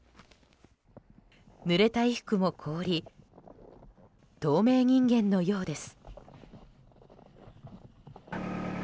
ぬれた衣服も凍り透明人間のようです。